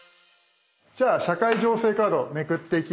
じゃあ社会情勢カードをめくっていきます。